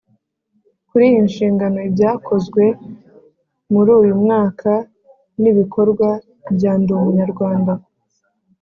Kuri iyi nshingano ibyakozwe muri uyu mwaka ni ibikorwa bya ndi umunyarwanda